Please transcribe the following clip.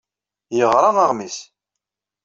Yeɣra aɣmis.